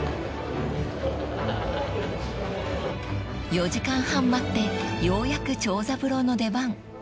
［４時間半待ってようやく長三郎の出番］